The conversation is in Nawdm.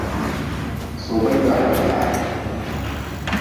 Soba gwala ka laha.